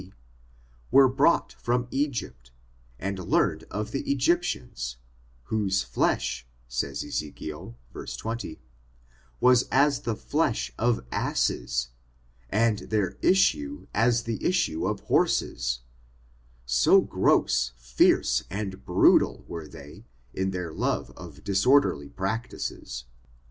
C, were brought from Egypt, amd learned of the Egyptians, whose flesh, says Ezekiel (verse 20), was as the flesh of asseSj and their issue as the issue of horses ; so gross, fierce, and brutal were they, in their love of disorderly practices.